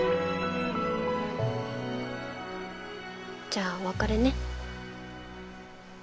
じゃあお別れね